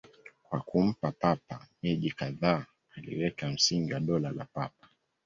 Kwa kumpa Papa miji kadhaa, aliweka msingi wa Dola la Papa.